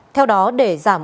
theo đó để giảm